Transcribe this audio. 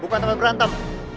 bukan tempat berantem